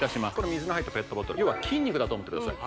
水の入ったペットボトル要は筋肉だと思ってください